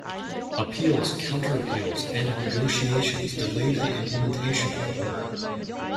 Appeals, counter-appeals, and negotiations delayed the implementation of the order.